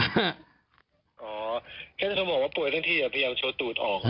แค่เขาบอกว่าป่วยทั้งที่พยายามโชว์ตูดออก